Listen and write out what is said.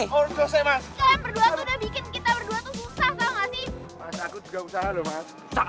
kalian berdua tuh udah bikin kita berdua tuh susah tau gak sih